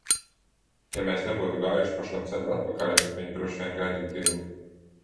Ja mēs nebūtu gājuši pa šo ceļu atpakaļ, viņa droši vien gaidītu ilgi.